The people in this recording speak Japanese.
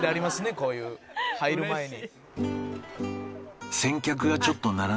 こういう入る前に。